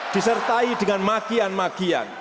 disertai dengan magian magian